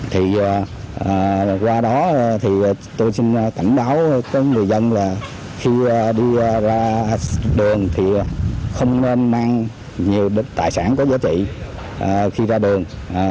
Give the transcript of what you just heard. thì qua đó thì tôi xin cảnh báo tới người dân là khi đi ra đường thì không nên mang nhiều tài sản có giá trị khi ra đường